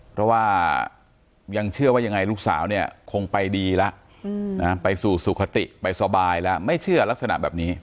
เพราะว่ายังเชื่อว่ายังไงลูกสาวเนี่ยคงไปดีแล้วไปสู่สุขติไปสบายแล้วไม่เชื่อลักษณะแบบนี้